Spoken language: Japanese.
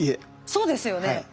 そうですよね。